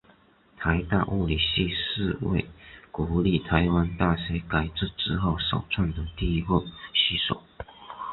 台大物理系是为国立台湾大学改制之后首创的第一个系所。